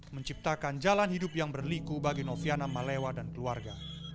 menciptakan jalan hidup yang berliku bagi noviana malewa dan keluarga